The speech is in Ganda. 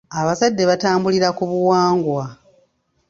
Abazadde batambulira ku buwangwa.